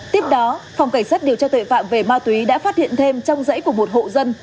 tiếp đó phòng cảnh sát điều tra tuệ phạm về ma túy đã phát hiện thêm trong dãy của một hộ dân